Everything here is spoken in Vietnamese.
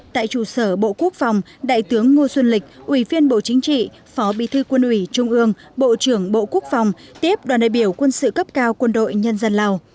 tại trụ sở bộ quốc phòng đại tướng ngô xuân lịch ủy viên bộ chính trị phó bi thư quân ủy trung ương bộ trưởng bộ quốc phòng tiếp đoàn đại biểu quân sự cấp cao quân đội nhân dân lào